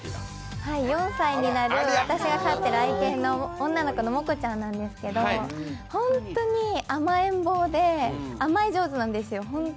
４歳になる、私が飼っている愛犬の女の子のモコちゃんなんですけど本当に甘えん坊で、甘え上手なんですよ。